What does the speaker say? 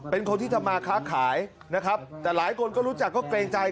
เป็นคนที่ทำมาค้าขายนะครับแต่หลายคนก็รู้จักก็เกรงใจ